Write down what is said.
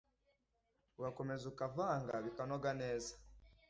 Ugakomeza ukavanga bikanoga neza